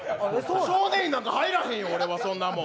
少年院なんか入らへんよ、そんなもん。